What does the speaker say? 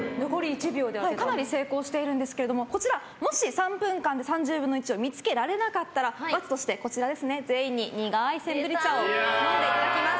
かなり成功しているんですけれどももし３分間で３０分の１を見つけられなかったら罰として全員に苦いセンブリ茶を飲んでいただきます。